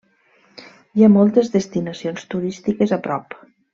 Hi ha moltes destinacions turístiques a prop.